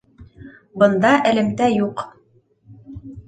Бында элемтә юҡ